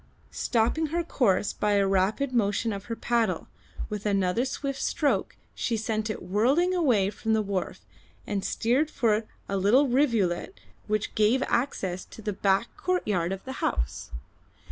Stopping her course by a rapid motion of her paddle, with another swift stroke she sent it whirling away from the wharf and steered for a little rivulet which gave access to the back courtyard of the house.